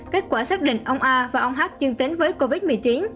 kết quả xác định ông a và ông h chương tính với covid một mươi chín